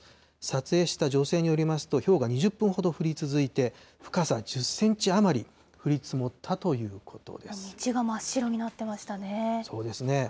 撮影した女性によりますと、ひょうが２０分ほど降り続いて、深さ１０センチ余り、降り積もったと道が真っ白になっていましたそうですね。